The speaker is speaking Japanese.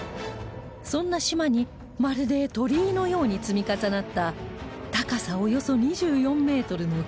そんな島にまるで鳥居のように積み重なった高さおよそ２４メートルの巨大な石